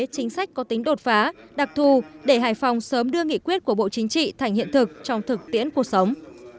chính sách có tính đột phá đặc thù để hải phòng sớm đưa nghị quyết của bộ chính trị thành hiện thực trong thực tiễn cuộc sống